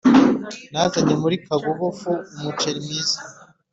Nazanye muri kagugufu umuceri mwiza